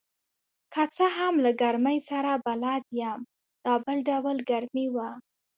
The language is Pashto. که څه هم له ګرمۍ سره بلد یم، دا بل ډول ګرمي وه.